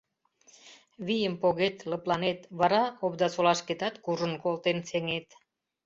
Вийым погет, лыпланет, вара Овдасолашкетат куржын колтен сеҥет.